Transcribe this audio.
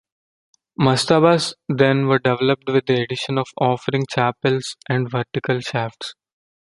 Mastabas, then, were developed with the addition of offering chapels and vertical shafts.